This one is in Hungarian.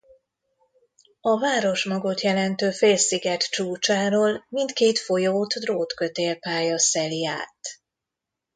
A városmagot jelentő félsziget csúcsáról mindkét folyót drótkötélpálya szeli át.